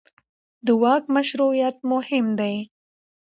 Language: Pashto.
د واک مشروعیت مهم دی